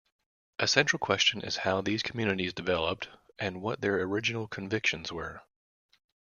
A central question is how these communities developed, and what their original convictions were.